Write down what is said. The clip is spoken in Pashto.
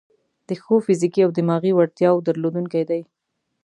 د ښو فزیکي او دماغي وړتیاوو درلودونکي دي.